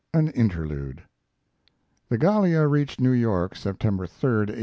AN INTERLUDE The Gallia reached New York September 3, 1879.